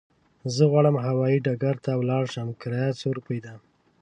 زه غواړم هوايي ډګر ته ولاړ شم، کرايه څو روپی ده؟